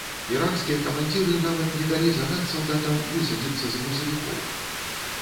Іракскія камандзіры нават не далі загад салдатам высадзіцца з грузавікоў.